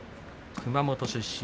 熊本出身。